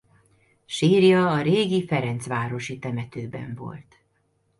Sírja a régi ferencvárosi temetőben volt.